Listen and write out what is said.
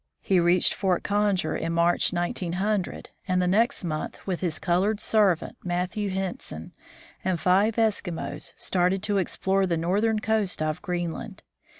He reached Fort Conger in March, 1900, and the next month, with his colored servant, Matthew Henson, and five Eski mos, started to explore the northern coast of Greenland.